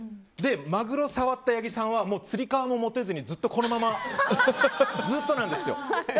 マグロ触った八木さんはつり革も持てずにずっと、このままずっとなんですよ。